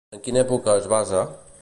En quina època es basa?